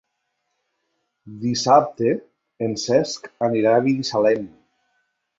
Dissabte en Cesc anirà a Binissalem.